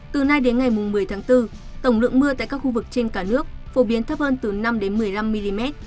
từ nay đến ngày một mươi tháng bốn tổng lượng mưa tại các khu vực trên cả nước phổ biến thấp hơn từ năm đến một mươi năm mm